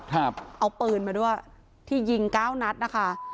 เอาปืนมาด้วยที่ยิงเก้านัดนะคะ